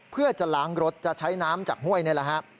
เพื่อจะล้างรถจะใช้น้ำจากห้วยนี่แหละครับ